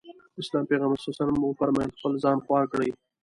د اسلام پيغمبر ص وفرمايل خپل ځان خوار کړي.